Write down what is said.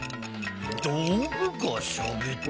どうぐがしゃべった？